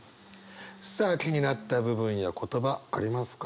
さあ気になった部分や言葉ありますか？